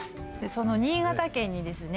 その新潟県にですね